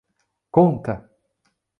Conta!